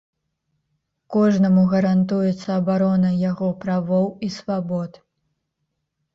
Кожнаму гарантуецца абарона яго правоў і свабод.